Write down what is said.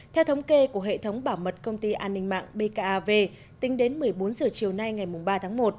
theo thống kê của hệ thống bảo mật công ty an ninh mạng bkav tính đến một mươi bốn h chiều nay ngày ba tháng một